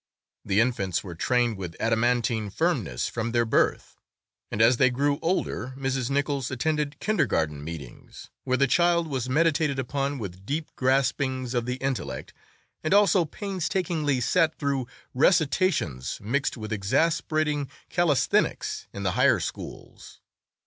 The infants were trained with adamantine firmness from their birth, and as they grew older Mrs. Nichols attended kindergarten meetings where the child was meditated upon with deep graspings of the intellect, and also painstakingly sat through recitations mixed with exasperating calisthenics in the higher schools.